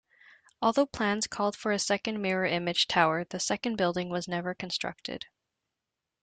Although plans called for a second mirror-image tower, the second building was never constructed.